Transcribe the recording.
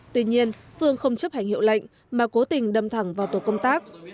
tuy nhiên phương không chấp hành hiệu lệnh mà cố tình đâm thẳng vào tổ công tác